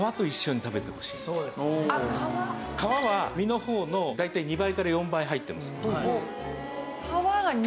皮は実の方の大体２倍から４倍入ってます。